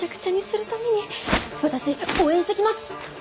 私応援してきます！